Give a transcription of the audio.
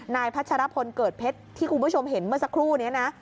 พัชรพลเกิดเพชรที่คุณผู้ชมเห็นเมื่อสักครู่นี้นะ